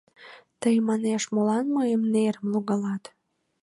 — Тый, манеш, молан мыйын нерым логалат?